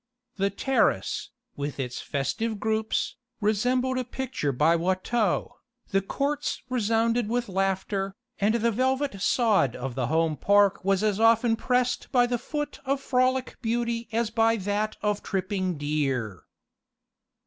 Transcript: The terrace, with its festive groups, resembled a picture by Watteau, the courts resounded with laughter, and the velvet sod of the home park was as often pressed by the foot of frolic beauty as by that of the tripping deer.